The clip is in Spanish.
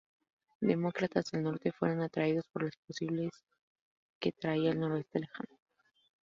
Demócratas del norte fueron atraídos por las posibilidades que traía el noroeste lejano.